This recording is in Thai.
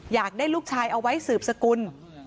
อยากได้ลูกชายเอาไว้สืบสกุล